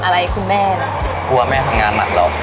มีขอเสนออยากให้แม่หน่อยอ่อนสิทธิ์การเลี้ยงดู